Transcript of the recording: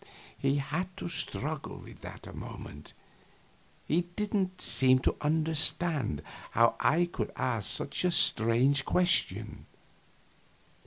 He had to struggle with that a moment; he didn't seem to understand how I could ask such a strange question.